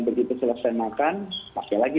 begitu selesai makan pakai lagi